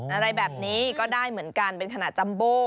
อะไรแบบนี้ก็ได้เหมือนกันเป็นขณะจัมโบ